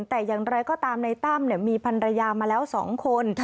แต่อย่างไรก็ตามในตั้มมีพันรยามาแล้ว๒คน